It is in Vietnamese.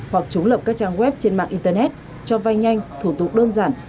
hoặc chúng lập các trang web trên mạng internet cho vay nhanh thủ tục đơn giản